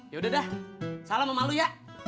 yaudah dah salam sama lu ya